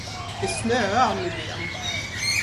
Det snöar nu igen.